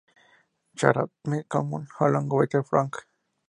Shrapnel common along water front.